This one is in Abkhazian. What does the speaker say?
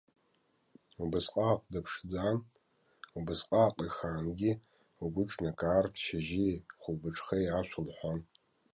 Убасҟак дыԥшӡан, убасҟак ихаангьы, угәы ҿнакаартә, шьыжьи хәылбыҽхеи ашәа лҳәон.